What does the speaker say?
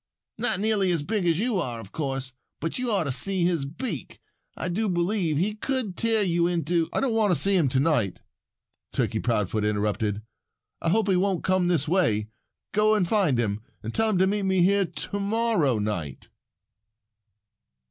"Not nearly as big as you are, of course! But you ought to see his beak. I do believe he could tear you into " "I don't want to see him to night," Turkey Proudfoot interrupted. "I hope he won't come this way. Go and find him. And tell him to meet me here to morrow night."